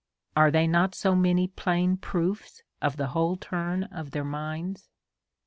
Are they not so many plain proofs of the whole turn of their minds?